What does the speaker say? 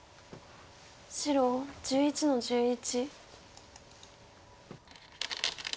白１１の十一。